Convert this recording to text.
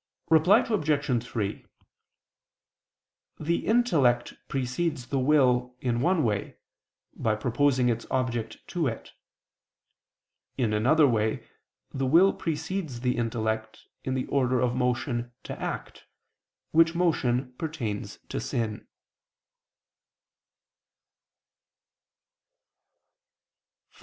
Reply Obj. 3: The intellect precedes the will, in one way, by proposing its object to it. In another way, the will precedes the intellect, in the order of motion to act, which motion pertains to sin.